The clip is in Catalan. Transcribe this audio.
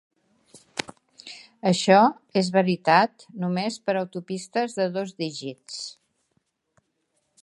Això es veritat només per autopistes de dos dígits.